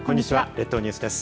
列島ニュースです。